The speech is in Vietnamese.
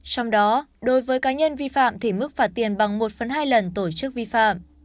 trong đó đối với cá nhân vi phạm thì mức phạt tiền bằng một hai lần tổ chức vi phạm